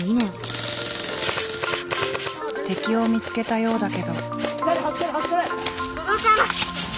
敵を見つけたようだけど。